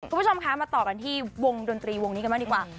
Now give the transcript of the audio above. คุณผู้ชมคะมาต่อกันที่วงดนตรีวงนี้กันบ้างดีกว่า